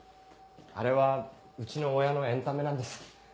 あれはうちの親のエンタメなんです。